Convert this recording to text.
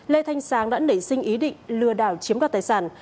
lê thanh sáng đã nể sinh ý định lừa đảo chiếm các tài sản